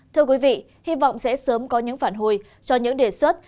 thưa quý vị hy vọng sẽ sớm có những phản hồi cho những đề xuất